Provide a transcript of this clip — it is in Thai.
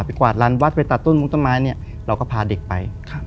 กวาดลานวัดไปตัดต้นมุ้งต้นไม้เนี่ยเราก็พาเด็กไป